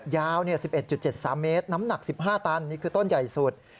ยาว๑๑๗๓เมตรน้ำหนัก๑๕ตันนี่คือต้นใหญ่สุด